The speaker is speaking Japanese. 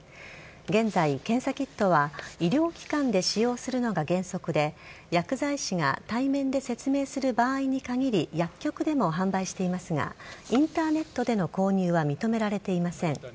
現在、検査キットは医療機関で使用するのが原則で薬剤師が対面で説明する場合に限り薬局でも販売していますがインターネットでの購入は認められていません。